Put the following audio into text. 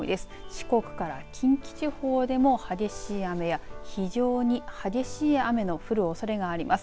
四国から近畿地方でも激しい雨や非常に激しい雨の降るおそれがあります。